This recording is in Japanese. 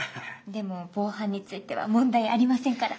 でも防犯については問題ありませんから。